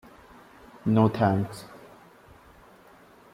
No, thanks.